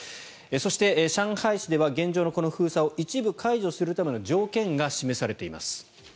そして、上海市では現状のこの封鎖を一部解除するための条件が示されています。